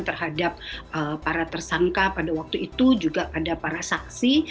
terhadap para tersangka pada waktu itu juga pada para saksi